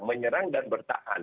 menyerang dan bertahan